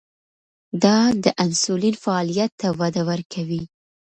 دا د انسولین فعالیت ته وده ورکوي.